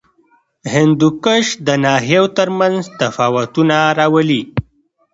هندوکش د ناحیو ترمنځ تفاوتونه راولي.